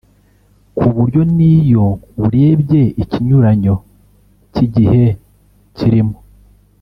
ku buryo n’iyo urebye ikinyuranyo cy’igihe kirimo